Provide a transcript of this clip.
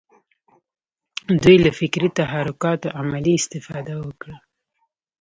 دوی له فکري تحرکاتو عملي استفاده وکړه.